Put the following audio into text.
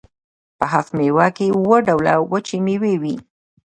په هفت میوه کې اووه ډوله وچې میوې وي.